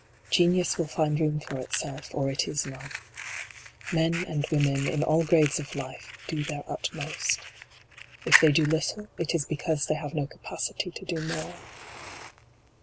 Genius will find room for itself, or it is none. Men and women, in all grades of life, do their utmost. If they do little, it is because they have no capacity to do more.